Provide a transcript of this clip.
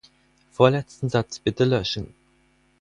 Vorletzten Satz bitte löschen.